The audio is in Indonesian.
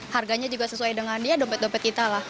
harganya juga sesuai dengan dia dompet dompet kita lah